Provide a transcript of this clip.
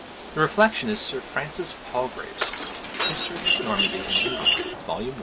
The reflection is Sir Francis Palgrave's: [History of Normandy and England, vol. i.